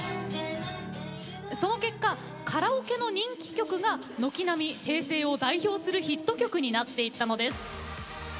その結果、カラオケの人気曲が軒並み平成を代表するヒット曲になっていったのです。